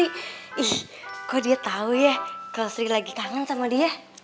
ih kok dia tahu ya kalau sri lagi kangen sama dia